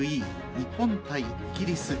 日本対イギリス。